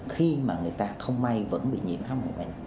khi mà người ta không may vẫn bị nhiễm h một n một